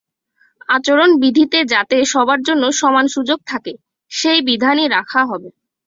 আচরণবিধিতে যাতে সবার জন্য সমান সুযোগ থাকে, সেই বিধানই রাখা হবে।